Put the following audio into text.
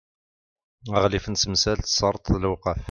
aɣlif n temsal n tesreḍt d lewqaf